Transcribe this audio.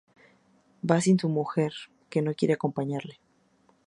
Va sin su mujer, que no quiere acompañarle.